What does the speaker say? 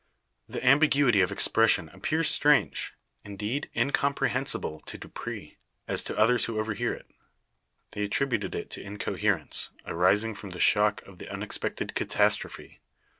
The ambiguity of expression appears strange; indeed incomprehensible, to Dupre, as to others who overhear it. They attributed it to incoherence, arising from the shock of the unexpected catastrophe.